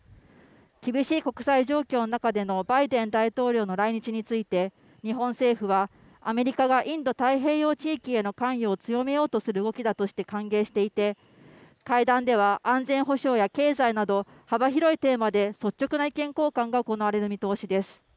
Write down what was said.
厳しい国際状況の中でのバイデン大統領の来日について日本政府はアメリカがインド太平洋地域への関与を強めようとする動きだとして歓迎していて会談では安全保障や経済など幅広いテーマで率直な意見交換が行われる見通しです。